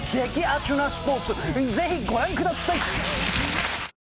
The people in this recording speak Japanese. アチュなスポーツぜひご覧ください！